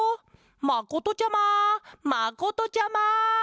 まことちゃままことちゃま！